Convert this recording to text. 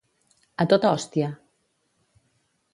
A tota hòstia.